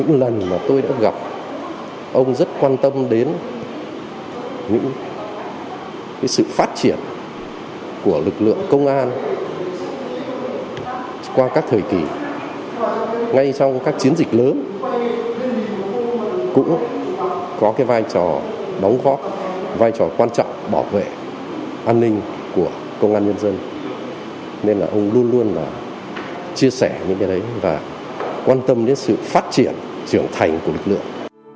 nên là ông luôn luôn là chia sẻ những cái đấy và quan tâm đến sự phát triển trưởng thành của lực lượng